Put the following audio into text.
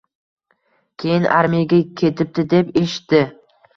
Keyin armiyaga ketibdi, deb eshitdi.